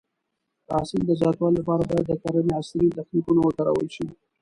د حاصل د زیاتوالي لپاره باید د کرنې عصري تخنیکونه وکارول شي.